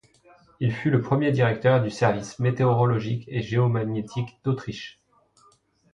Il fut le premier directeur du service météorologique et géomagnétique d'Autriche.